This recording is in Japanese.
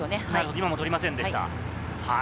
今も取りませんでした。